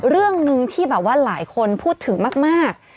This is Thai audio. เรื่องหนึ่งที่แบบว่าหลายคนพูดถึงมาก